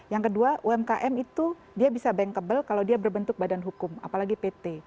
yang kedua umkm itu dia bisa bankable kalau dia berbentuk badan hukum apalagi pt